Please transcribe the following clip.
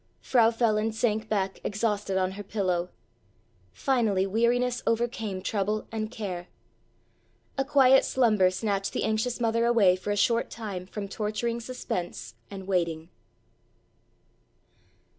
Frau Feland sank back exhausted on her pillow. Finally weariness overcame trouble and care. A quiet slumber snatched the anxious mother away for a short time from torturing suspense and waiting.